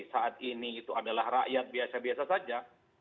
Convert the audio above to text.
saat ini itu adalah rakyat biasa biasa saja